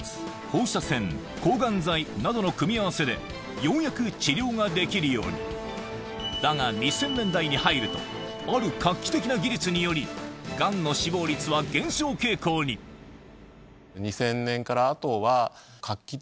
放射線抗ガン剤などの組み合わせでようやく治療ができるようにだが２０００年代に入るとある画期的な技術によりガンの死亡率は減少傾向に薬が変わったんですか？